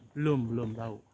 belum belum tahu